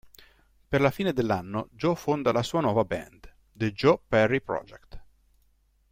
Per la fine dell'anno Joe fonda la sua nuova band, The Joe Perry Project.